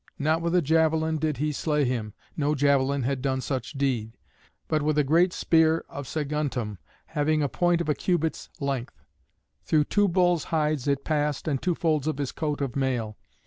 Not with a javelin did he slay him (no javelin had done such deed), but with a great spear of Saguntum, having a point of a cubit's length. Through two bulls' hides it passed and two folds of his coat of mail.